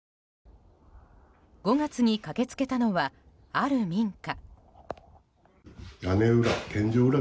５月に駆け付けたのはある民家。